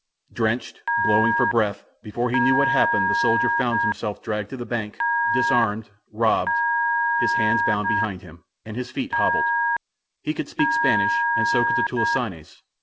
Drenched, blowing for breath, before he knew what had happened, the soldier found himself dragged to the bank, disarmed, robbed, his hands bound behind him, and his feet hobbled. He could speak Spanish and so could the "tulisanes."